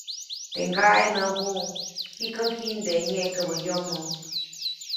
Teʼ ŋgaʼe näbuʼuŋ -jikä jiʼndeʼe nyeʼkäbä yomo-.